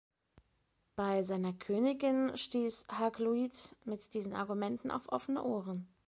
Bei seiner Königin stieß Hakluyt mit diesen Argumenten auf offene Ohren.